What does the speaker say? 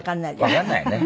わかんないよね。